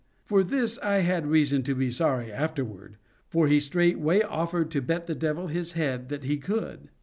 For this I had reason to be sorry afterward;—for he straightway offered to bet the Devil his head that he could.